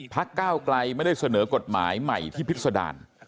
ก้าวไกลไม่ได้เสนอกฎหมายใหม่ที่พิษดาร